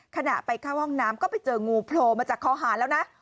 ขณะไปเข้าห้องน้ำก็ไปเจองูโผล่มาจากคอหารแล้วนะ